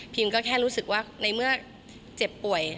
ก็แค่รู้สึกว่าในเมื่อเจ็บป่วย